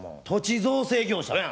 土地造成業者？